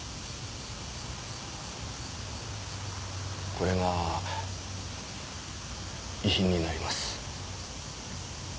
これが遺品になります。